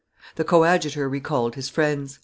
The coadjutor recalled his friends.